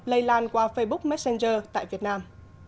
lây lan qua facebook messenger tại việt nam